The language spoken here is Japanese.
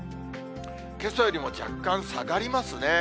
けさよりも若干下がりますね。